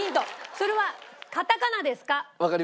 それはカタカナですか？